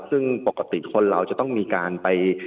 ซึ่งปกติคนเราจะต้องมีการไป